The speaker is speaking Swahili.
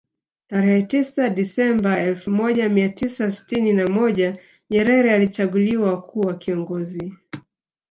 Tarehe tisa desamba elfu moja mia tisa sitini na moja Nyerere alichaguliwa kuwa kiongozi